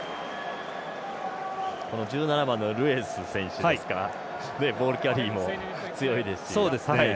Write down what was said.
１７番のルエス選手はボールキャリーも強いですし。